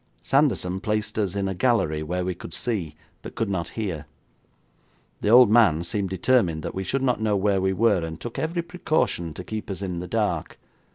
Sanderson placed us in a gallery where we could see, but could not hear. The old man seemed determined that we should not know where we were, and took every precaution to keep us in the dark.